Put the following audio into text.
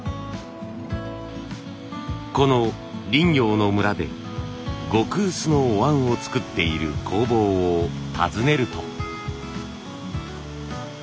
この林業の村で極薄のお椀を作っている工房を訪ねると。